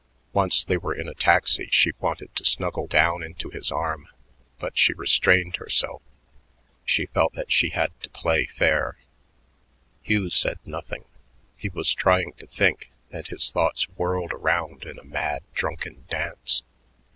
Once they were in a taxi, she wanted to snuggle down into his arm, but she restrained herself; she felt that she had to play fair. Hugh said nothing. He was trying to think, and his thoughts whirled around in a mad, drunken dance.